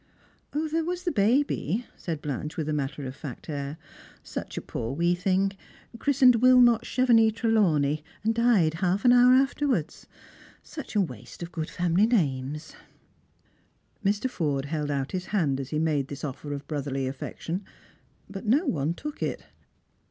"There was the baby," said Blanche, with a matter of fact air ;" »uch a poor wee thing !— christened Wilmot Chevenix Trelawney, and died half an hour afterwards. Such a waste of good family names !" Mr. Forde held out his hand as he made this offer of brotherly affection, but no one took it.